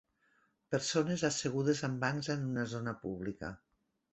Persones assegudes en bancs en una zona pública.